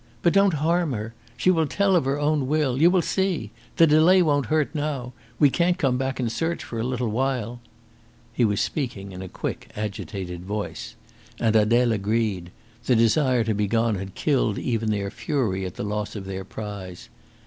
"But don't harm her. She will tell of her own will. You will see. The delay won't hurt now. We can't come back and search for a little while." He was speaking in a quick, agitated voice. And Adele agreed. The desire to be gone had killed even their fury at the loss of their prize.